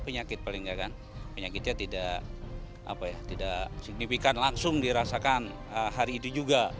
penyakit paling tidak kan penyakitnya tidak signifikan langsung dirasakan hari itu juga